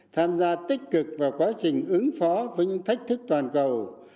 tham gia tích cực vào quá trình ứng phó với những thách thức toàn cầu